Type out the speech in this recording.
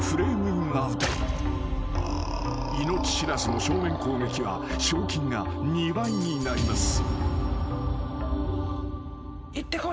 ［命知らずの正面攻撃は賞金が２倍になります］